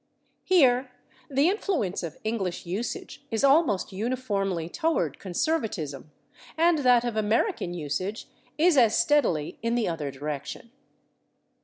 Here the influence of English usage is almost uniformly toward conservatism, and that of American usage is as steadily in the other direction.